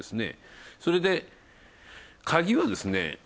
それで鍵はですね。